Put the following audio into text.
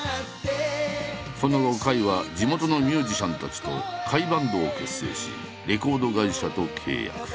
その後甲斐は地元のミュージシャンたちと甲斐バンドを結成しレコード会社と契約。